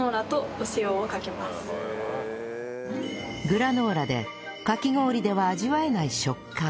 グラノーラでかき氷では味わえない食感